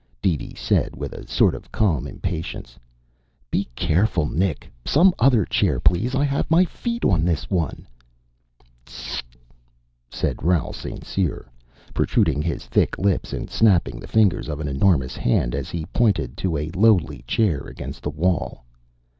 DeeDee said with a sort of calm impatience. "Be careful, Nick. Some other chair, please. I have my feet on this one." "T t t t t," said Raoul St. Cyr, protruding his thick lips and snapping the fingers of an enormous hand as he pointed to a lowly chair against the wall.